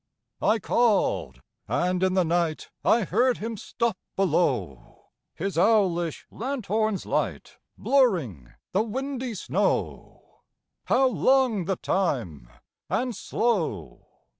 I called. And in the night I heard him stop below, His owlish lanthorn's light Blurring the windy snow How long the time and slow!